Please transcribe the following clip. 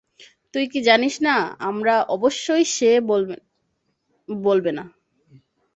তুই কি জানিস না আমরা অবশ্যই সে বলবে না।